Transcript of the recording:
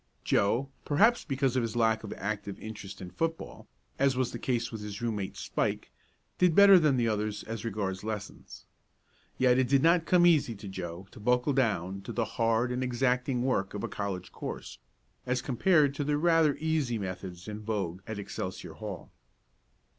Joe, perhaps because of his lack of active interest in football, as was the case with his room mate, Spike, did better than the others as regards lessons. Yet it did not come easy to Joe to buckle down to the hard and exacting work of a college course, as compared to the rather easy methods in vogue at Excelsior Hall.